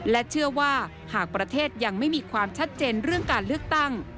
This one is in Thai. และเชื่อว่าหากประเทศยังไม่มีความชัดเจนเรื่องการเลือกตั้ง